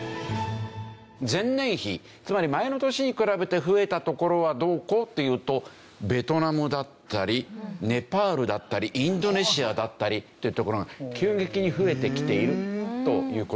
つまり前の年に比べて増えたところはどこっていうとベトナムだったりネパールだったりインドネシアだったりっていうところが急激に増えてきているという事がありますよね。